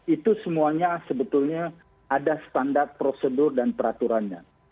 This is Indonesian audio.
itu semuanya sebetulnya ada standar prosedur dan peraturannya